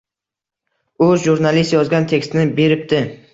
U jurnalist yozgan tekstni beribdi.